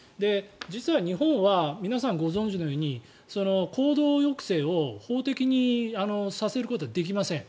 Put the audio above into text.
実は、日本は皆さんご存じのように行動抑制を法的にさせることはできません。